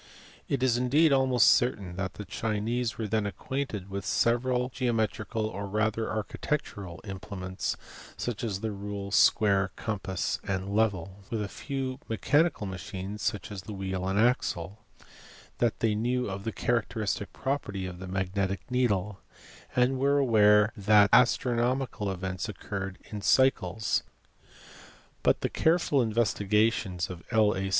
It is indeed almost certain that the Chinese were then acquainted with several geometrical or rather architectural implements, such as the rule, square, compasses, and level ; with a few mechanical machines, such as the wheel and axle ; that they knew of the characteristic property of the magnetic needle ; and were aware that astronomical events occurred_Jn cycles^ But the careful investigations of L. A.